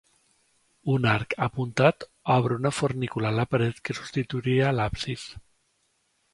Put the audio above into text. Un arc apuntat obre una fornícula a la paret que substituiria l'absis.